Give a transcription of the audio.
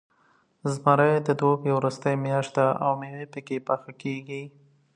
زمری د دوبي وروستۍ میاشت ده، او میوې پکې پاخه کېږي.